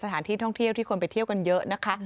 สถานที่ท่องเที่ยวที่คนไปเที่ยวกันเยอะนะคะ